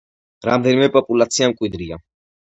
რამდენიმე პოპულაცია მკვიდრია.